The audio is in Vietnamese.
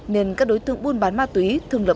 nên các đối tượng buôn bán ma túy thường lập